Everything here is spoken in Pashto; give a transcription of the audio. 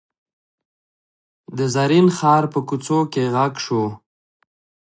د زرین ښار په کوڅو کې غږ شو.